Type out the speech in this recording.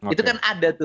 itu kan ada tuh